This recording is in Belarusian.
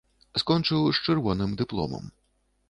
Скончыў з чырвоным дыпломам.